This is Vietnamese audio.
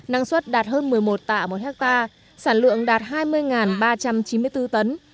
năng suất đạt hơn một mươi một tạ một ha sản lượng đạt hai mươi ba trăm chín mươi bốn tấn